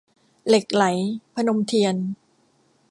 เหล็กไหล - พนมเทียน